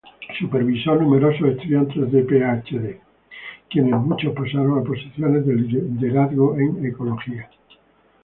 Supervisó numerosos estudiantes de Ph.D., quienes muchos pasaron a posiciones de liderazgo en ecología.